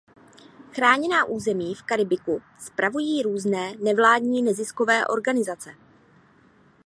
Chráněná území v Karibiku spravují různé nevládní neziskové organizace.